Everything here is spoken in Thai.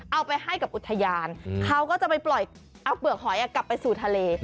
เอาไปให้กับอุทยานเขาก็จะไปปล่อยเอาเปลือกหอยกลับไปสู่ทะเล